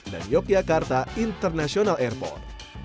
dan yogyakarta international airport